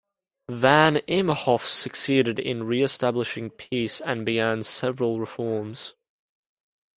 Van Imhoff succeeded in reestablishing peace and began several reforms.